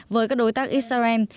với các đối tác israel